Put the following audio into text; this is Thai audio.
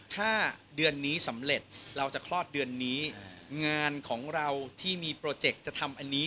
ถ้าเดือนนี้สำเร็จเราจะคลอดเดือนนี้งานของเราที่มีโปรเจกต์จะทำอันนี้